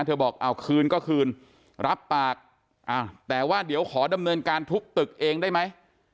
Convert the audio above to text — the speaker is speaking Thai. บอกเอาคืนก็คืนรับปากแต่ว่าเดี๋ยวขอดำเนินการทุบตึกเองได้ไหม